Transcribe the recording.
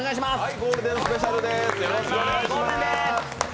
ゴールデンスペシャルです。